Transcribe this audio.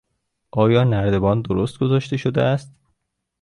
آیا نردبان درست گذاشته شده است؟